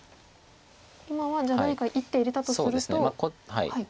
今はじゃあ何か１手入れたとすると。